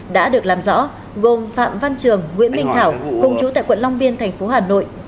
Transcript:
đã được làm rõ gồm phạm văn trường nguyễn minh thảo cùng chú tại quận long biên thành phố hà nội